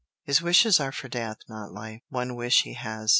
His wishes are for death, not life. One wish he has.